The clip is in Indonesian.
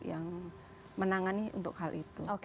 yang menangani untuk hal itu